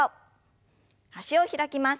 脚を開きます。